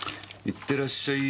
いってらっしゃい。